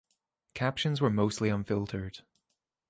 Captions were mostly unfiltered.